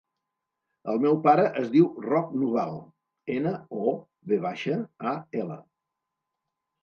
El meu pare es diu Roc Noval: ena, o, ve baixa, a, ela.